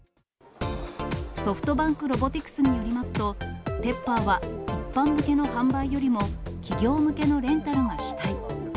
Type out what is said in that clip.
ソフトバンクロボティクスによりますと、ペッパーは一般向けの販売よりも、企業向けのレンタルが主体。